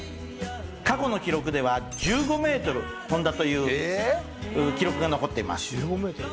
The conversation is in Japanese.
過去の記録では１５ｍ飛んだという記録が残っています。